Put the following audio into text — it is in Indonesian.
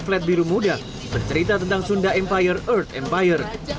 flat biru muda bercerita tentang sunda empire earth empire